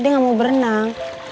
dia ga mau berenang